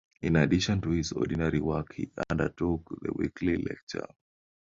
In addition to his ordinary work he undertook the weekly lecture.